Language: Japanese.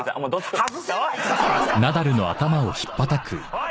おい！